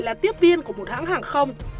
là tiếp viên của một hãng hàng không